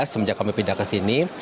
semenjak kami pindah ke sini